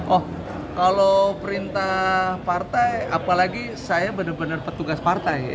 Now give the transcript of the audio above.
oh kalau perintah partai apalagi saya benar benar petugas partai